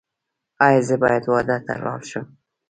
ایا زه باید واده ته لاړ شم؟